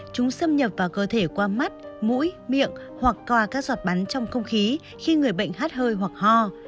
chúng xâm nhập vào cơ thể qua mắt mũi miệng hoặc coa các giọt bắn trong không khí khi người bệnh hát hơi hoặc ho